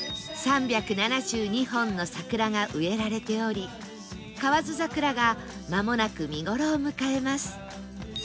３７２本の桜が植えられており河津桜がまもなく見頃を迎えます